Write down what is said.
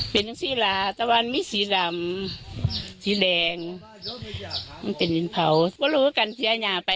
เป็นยังหสีบละแต่วันมิสีดำสีแดงมันเป็นดินเผา